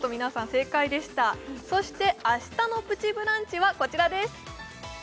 正解でしたそして明日の「プチブランチ」はこちらです